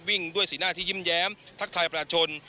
วิ่งด้วยสีหน้าที่ยิ้มแย้มทักทายประชาชน